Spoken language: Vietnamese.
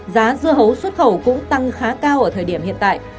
giá dưa hấu xuất khẩu cũng tăng khá cao ở thời điểm hiện tại